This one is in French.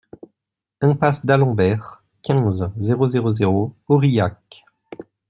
Impasse d'Alembert, quinze, zéro zéro zéro Aurillac